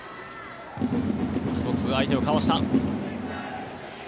１つ、相手をかわした。